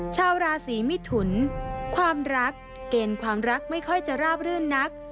ชาวราศีมิถุนความรักเกณฑ์ความรักไม่ค่อยจะราบรื่นนัก